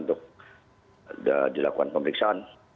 untuk dilakukan pemeriksaan